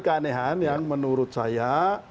keanehan yang menurut saya